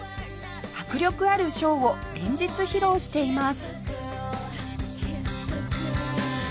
迫力あるショーを連日披露しています